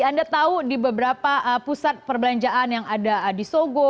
anda tahu di beberapa pusat perbelanjaan yang ada di sogo